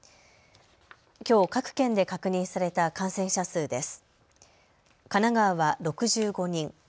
きょう各県で確認された感染者数です。